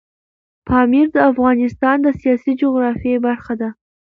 پامیر د افغانستان د سیاسي جغرافیه برخه ده.